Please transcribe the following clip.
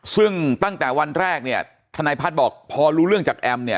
ซึ่งตั้งแต่วันแรกเนี่ยทนายพัฒน์บอกพอรู้เรื่องจากแอมเนี่ย